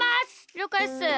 りょうかいっす。